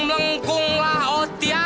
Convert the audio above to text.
mengkunglah oh tiang